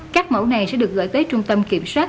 các mẫu này sẽ được gửi tới trung tâm kiểm soát